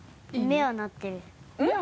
目はなってる。